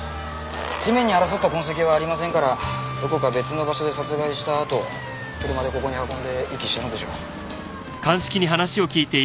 地面に争った痕跡はありませんからどこか別の場所で殺害したあと車でここに運んで遺棄したのでしょう。